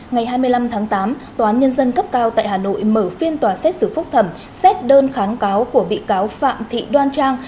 ngày hai mươi năm tháng tám tòa án nhân dân cấp cao tại hà nội mở phiên tòa xét xử phúc thẩm xét đơn kháng cáo của bị cáo phạm thị đoan trang